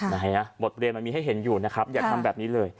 ไหนนะบทเรียนมันมีให้เห็นอยู่นะครับอย่าทำแบบนี้เลย